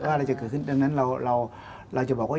อะไรจะเกิดขึ้นดังนั้นเราจะบอกว่า